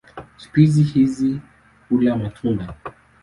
Spishi hizi hula matunda.